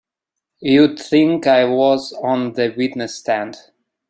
You'd think I was on the witness stand!